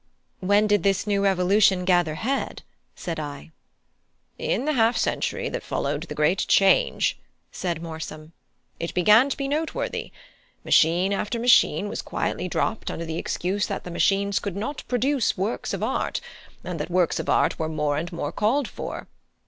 "When did this new revolution gather head?" said I. "In the half century that followed the Great Change," said Morsom, "it began to be noteworthy; machine after machine was quietly dropped under the excuse that the machines could not produce works of art, and that works of art were more and more called for.